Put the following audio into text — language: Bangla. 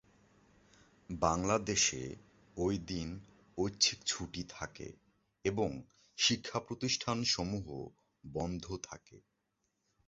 বাংলাদেশে এদিন ঐচ্ছিক ছুটি থাকে এবং শিক্ষাপ্রতিষ্ঠানসমূহ বন্ধ থাকে।